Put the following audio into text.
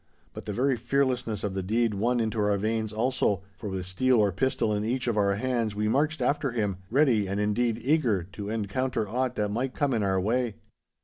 But the very fearlessness of the deed won into our veins also, for with steel or pistol in each of our hands we marched after him—ready, and, indeed, eager, to encounter aught that might come in our way.